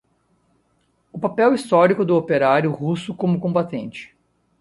o papel histórico do operário russo como combatente